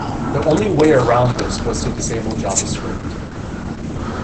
The only way around this was to disable JavaScript.